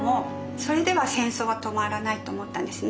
それでは戦争は止まらないと思ったんですね。